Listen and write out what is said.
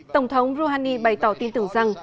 tổng thống rouhani bày tỏ tin tưởng rằng